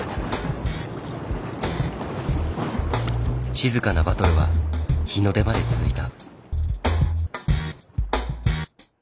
静かなバトルは日の出まで続いた。